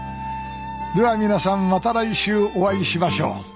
では皆さんまた来週お会いしましょう。